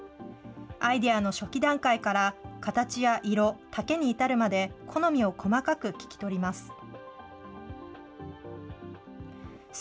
アイデアの初期段階から、形や色、丈に至るまで、好みを細かく聞き取ります。